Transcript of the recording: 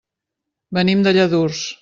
Venim de Lladurs.